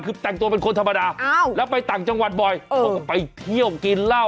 คือแต่งตัวเป็นคนธรรมดาแล้วไปต่างจังหวัดบ่อยเขาก็ไปเที่ยวกินเหล้า